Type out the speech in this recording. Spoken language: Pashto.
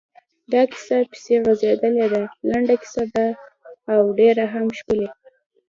دا کیسه پسې غځېدلې ده، لنډه کیسه ده او ډېره هم ښکلې…